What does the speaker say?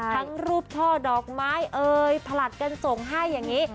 ทั้งรูปช่อดอกไม้เอ่ยผลัดกันส่งให้อย่างนี้